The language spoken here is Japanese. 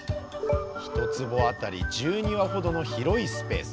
１坪あたり１２羽ほどの広いスペース。